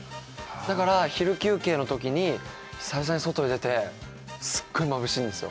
だから昼休憩のときに久々に外に出てすっごいまぶしいんですよ